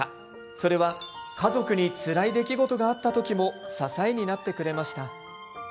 それは家族につらい出来事があった時も支えになってくれました。